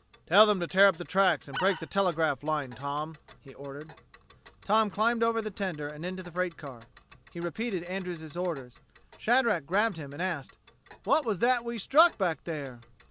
"Tell them to tear up the tracks and break the telegraph line, Tom," he ordered. Tom climbed over the tender and into the freight car. He repeated Andrews' orders. Shadrack grabbed him and asked: "What was that we struck back there?"